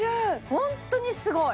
ホントにすごい！